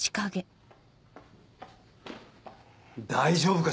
大丈夫か？